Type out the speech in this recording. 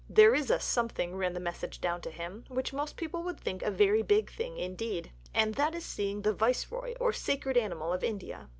"There is a 'something,'" ran the message sent down to him, "which most people would think a very big thing indeed. And that is seeing the Viceroy or Sacred Animal of India.